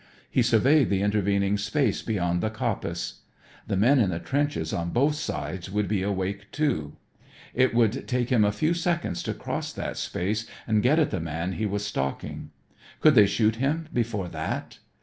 He surveyed the intervening space beyond the coppice. The men in the trenches on both sides would be awake, too. It would take him a few seconds to cross that space and get at the man he was stalking. Could they shoot him before that?